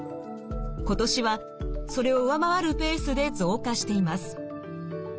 今年はそれを上回るペースで増加しています。